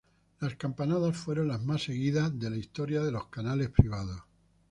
Las campanadas fueron las más seguidas de la historia de los canales privados.